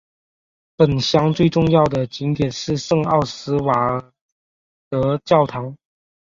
本乡最重要的景点是圣奥斯瓦尔德教堂。